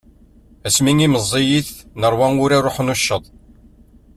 Asmi i meẓẓiyit, nerwa urar n uḥnucceḍ.